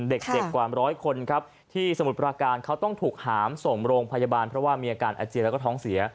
เด็กกว่าร้อยคนครับที่สมุทรประการเขาต้องถูกหามส่งโรงพยาบาลเพราะว่ามีอาการอาเจียนแล้วก็ท้องเสีย